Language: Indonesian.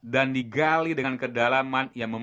dan digali dengan kedalaman yang berbeda